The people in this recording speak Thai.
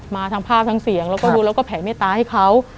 มาทั้งภาพทั้งเสียงแล้วก็ดูแล้วก็แผ่เมตตาให้เขา